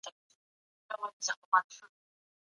نن ورځ د سياست د علم پر نوم هم ټکرونه شتون لري.